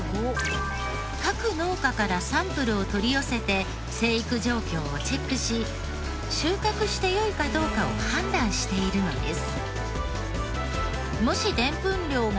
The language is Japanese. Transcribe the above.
各農家からサンプルを取り寄せて生育状況をチェックし収穫して良いかどうかを判断しているのです。